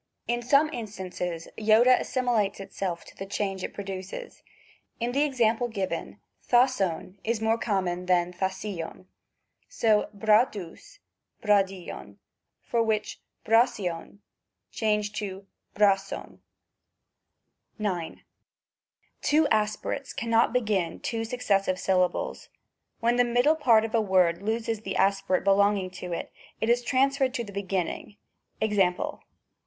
In some instances Iota as similates itself to the change it produces ; in the exam ple given S aOGcov is more common than ^ccaicjv. So j3gdSvgy /SgaSicDVy for which ^qaoicov changed to ^qdcocov. 9. Two aspirates cannot begin two successive sylla bles ; when the middle part of a word loses the aspi rate belonging to it, it is transferred to the beginning ; Ex. ?